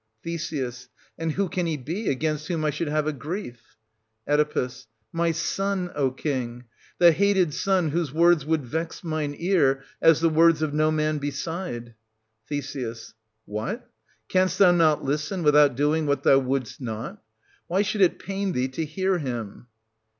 Th. And who can he be, against whom I should have a grief? Oe. My son, O king, — the hated son whose words would vex mine ear as the words of no man beside. Th. What ? Canst thou not listen, without doing what thou wouldst not? Why should it pain thee to hear him?